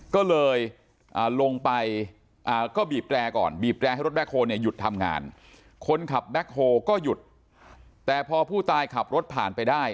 ก็เลยลงไปก็บีบแร่ก่อนบีบแรร์ให้รถแคคโฮลเนี่ยหยุดทำงานคนขับแบ็คโฮก็หยุดแต่พอผู้ตายขับรถผ่านไปได้